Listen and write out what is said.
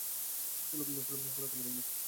ফুলওয়া তো মরেই গেছে।